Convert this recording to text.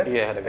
iya dagang baju